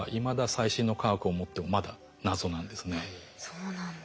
そうなんだ。